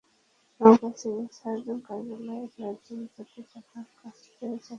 Naogaon civil surgeon কার্যালয়ের প্রায় দুই কোটি টাকার কাজ পেতে যাচ্ছে সর্বোচ্চ দরদাতারা।